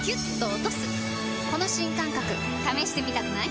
この新感覚試してみたくない？